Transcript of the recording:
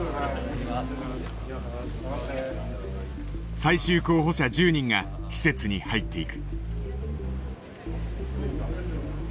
最終候補者１０人が施設に入っていく。